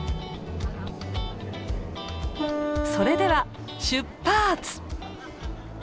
それでは出発！